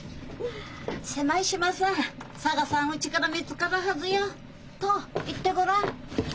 狭い島さぁ捜さんうちから見つかるはずよ行ってごらん。